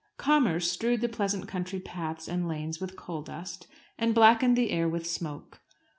Commerce strewed the pleasant country paths and lanes with coal dust, and blackened the air with smoke.